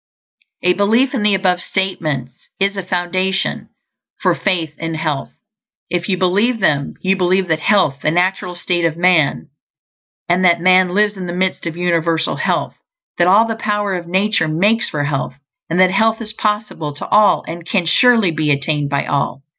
_ A belief in the above statements is a foundation for faith in health. If you believe them, you believe that health is the natural state of man, and that man lives in the midst of Universal Health; that all the power of nature makes for health, and that health is possible to all, and can surely be attained by all.